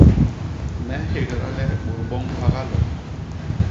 Me nhégda le bôt boñ ba galoo.